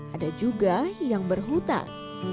ada juga yang berhutang